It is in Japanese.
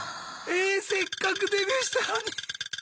えせっかくデビューしたのに。